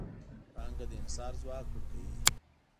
پانګه د انحصار ځواک ورکوي.